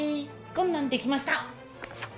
こんなんできました。